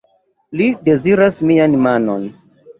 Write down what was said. Li deziras mian manon.